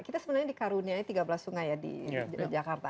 kita sebenarnya dikarunia ini tiga belas sungai ya di jakarta